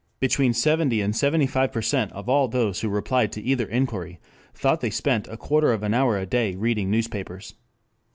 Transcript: Between seventy and seventy five percent of all those who replied to either inquiry thought they spent a quarter of an hour a day reading newspapers.